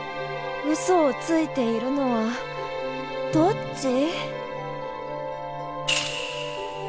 ウソをついているのはどっち？